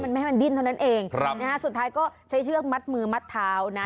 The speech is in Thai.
แค่ไม่ให้มันดินเท่านั้นเองสุดท้ายก็ใช้เชือกมัดมือมัดเท้านะ